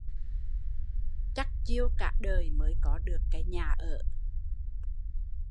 Chắt chiu cả đời mới có được cái nhà ở